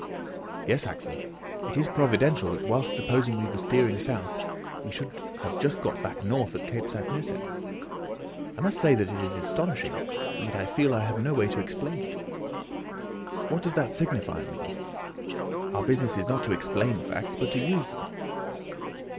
"Yes, Axel, it is providential that whilst supposing we were steering south we should have just got back north at Cape Saknussemm. I must say that this is astonishing, and that I feel I have no way to explain it." "What does that signify, uncle? Our business is not to explain facts, but to use them!"